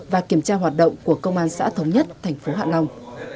và kiểm tra hoạt động của công an xã thống nhất thành phố hạ long